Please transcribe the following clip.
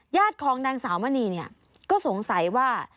ของนางสาวมณีเนี่ยก็สงสัยว่า